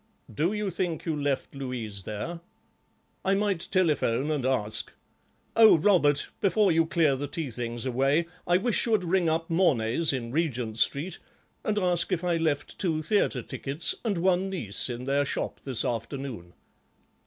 "Do you think you left Louise there?" "I might telephone and ask. Oh, Robert, before you clear the tea things away I wish you'd ring up Mornay's, in Regent Street, and ask if I left two theatre tickets and one niece in their shop this afternoon."